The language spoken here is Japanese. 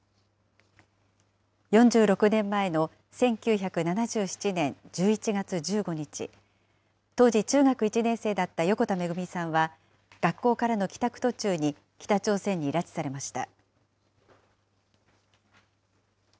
４６年前の１９７７年１１月１５日、当時中学１年生だった横田めぐみさんは、学校からの帰宅途中に北朝鮮に拉致されました。